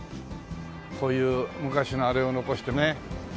こういう昔のあれを残してね。